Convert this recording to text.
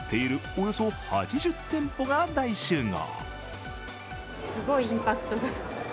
およそ８０店舗が大集合。